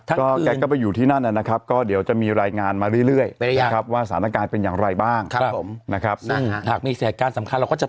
นึกว่าอยู่ที่นั่นนักครับก็เดี๋ยวจะมีรายงานมาเรื่อยที่ร้านแต่ครับว่าสถานการณ์เป็นอย่างไรบ้างครับผมนะครับถ้ามีแสดงการสำคัญแล้วก็